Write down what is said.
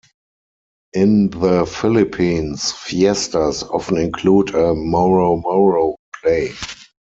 In the Philippines, fiestas often include a "moro-moro" play.